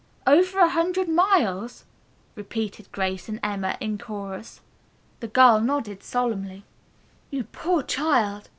"'Over a hundred miles!'" repeated Grace and Emma in chorus. The girl nodded solemnly. "You poor child!"